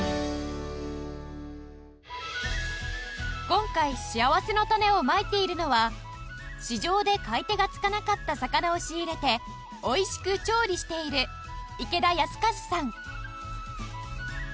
今回しあわせのたねをまいているのは市場で買い手がつかなかった魚を仕入れて美味しく調理している池田保和さん